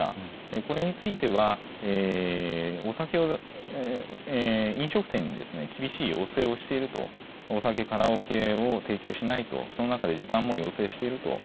これについては、飲食店に厳しい要請をしていると、お酒、カラオケを提供しないと、その中で時短も要請していると。